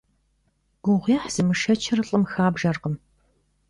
Гугъуехь зымышэчыр лӀым хабжэркъым.